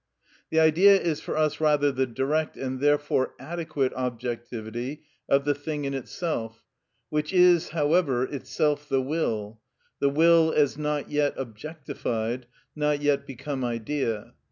The Idea is for us rather the direct, and therefore adequate, objectivity of the thing in itself, which is, however, itself the will—the will as not yet objectified, not yet become idea.